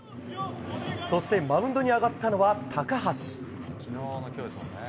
そしてマウンドに上がったのは高橋。